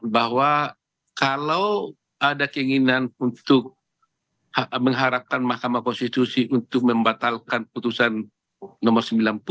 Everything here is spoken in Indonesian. bahwa kalau ada keinginan untuk mengharapkan mahkamah konstitusi untuk membatalkan putusan nomor sembilan puluh